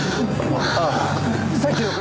ああさっきの彼。